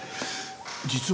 実は。